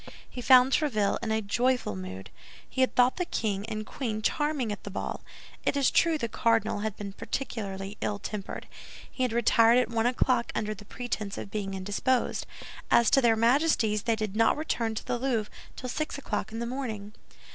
He found Tréville in a joyful mood. He had thought the king and queen charming at the ball. It is true the cardinal had been particularly ill tempered. He had retired at one o'clock under the pretense of being indisposed. As to their Majesties, they did not return to the Louvre till six o'clock in the morning.